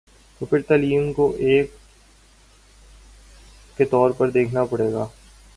تو پھر تعلیم کو ایک اکائی کے طور پر دیکھنا پڑے گا۔